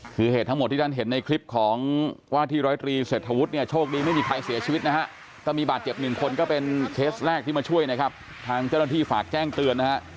คือเหตุทั้งหมดที่ท่านเห็นในคลิปของว่าที่ร้อยตรีเศรษฐวุฒิเนี่ยโชคดีไม่มีใครเสียชีวิตนะฮะถ้ามีบาดเจ็บหนึ่งคนก็เป็นเคสแรกที่มาช่วยนะครับทางเจ้าหน้าที่ฝากแจ้งเตือนนะฮะ